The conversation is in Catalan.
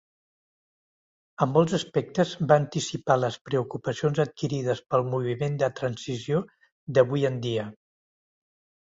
En molts aspectes, va anticipar les preocupacions adquirides pel Moviment de Transició d'avui en dia.